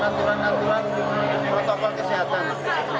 yang tetap lantang bukan dengan aturan aturan protokol kesehatan